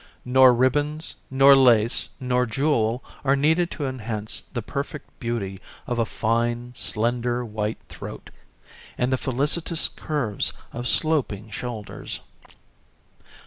Nor ribbons, nor lace, nor jewel are needed to enhance the perfect beauty of a fine, slender, white throat, and the felicitous curves of sloping shoulders.